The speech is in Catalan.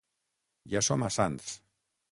Ja som a Sants.